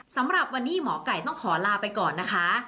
สำหรับวันนี้หมอไก่ต้องขอลาไปก่อนนะคะ